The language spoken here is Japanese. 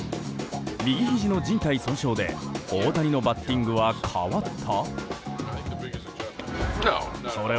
右ひじのじん帯損傷で大谷のバッティングは変わった？